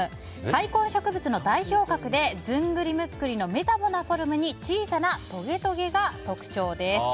塊根植物の代表格でずんぐりむっくりのメタボなフォルムに小さなとげとげが特徴です。